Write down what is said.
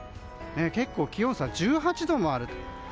結構、気温差１８度もあるという。